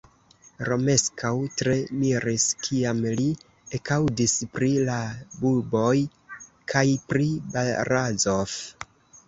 Romeskaŭ tre miris, kiam li ekaŭdis pri la buboj kaj pri Barazof.